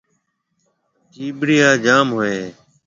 چِينڀريا جوم ھوئيَ ھيََََ